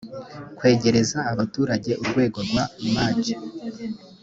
kwegereza abaturage urwego rwa maj